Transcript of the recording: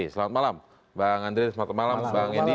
selamat malam bang andre selamat malam bang edi